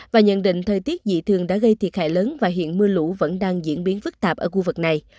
và nhận định thời tiết dị thường đã gây thiệt hại lớn và hiện mưa lũ vẫn đang diễn biến phức tạp ở khu vực này